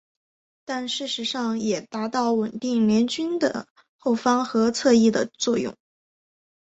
但事实上也达到稳定联军的后方和侧翼的作用。